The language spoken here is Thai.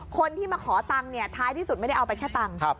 คนที่มาขอทันท้ายที่สุดไม่ได้เอาแค่เอาทัน